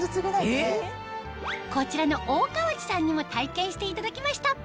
こちらの大川内さんにも体験していただきました